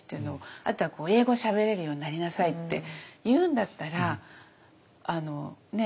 あとは英語しゃべれるようになりなさいって言うんだったらあのねっ？